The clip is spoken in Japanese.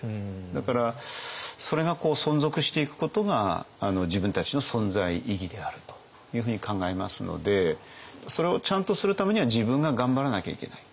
だからそれが存続していくことが自分たちの存在意義であるというふうに考えますのでそれをちゃんとするためには自分が頑張らなきゃいけない。